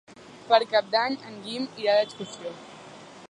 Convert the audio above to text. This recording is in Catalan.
Per Cap d'Any en Guim irà d'excursió.